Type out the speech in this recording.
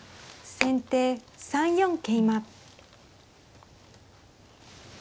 先手３四桂馬。